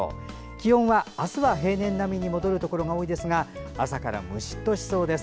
気温は明日は平年並みに戻るところが多いですが朝からムシッとしそうです。